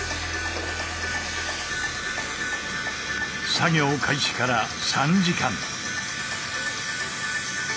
作業開始から３時間。